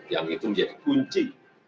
yang itu menjadi kunci